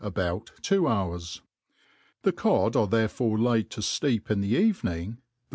about two hours ; the cod are therefore laid to fteep in the evening, thijj.